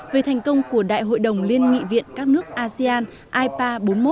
về thành công của đại hội đồng liên nghị viện các nước asean ipa bốn mươi một